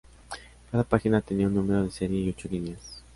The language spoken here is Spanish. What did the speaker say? Cada página tenía un número de serie y ocho líneas.